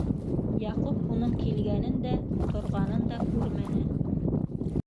Яҡуп уның килгәнен дә, торғанын да күрмәне.